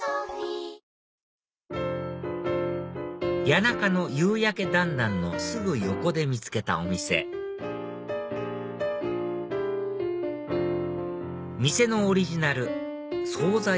谷中の夕やけだんだんのすぐ横で見つけたお店店のオリジナル惣菜